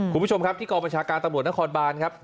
คุณผู้ชมครับที่กองประชาการตำรวจนครบานครับ